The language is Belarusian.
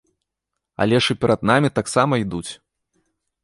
Але ж і перад намі таксама ідуць.